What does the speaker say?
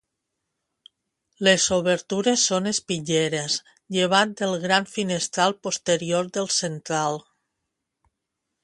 Les obertures són espitlleres llevat del gran finestral posterior del central.